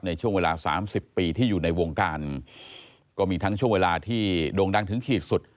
ในช่วงเวลาสามสิบปีที่อยู่ในวงการก็มีทั้งช่วงเวลาที่โด่งดังถึงขีดสุด